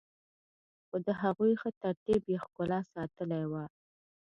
خو د هغوی ښه ترتیب يې ښکلا ساتلي وه.